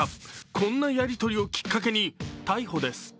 こんなやり取りをきっかけに逮捕です。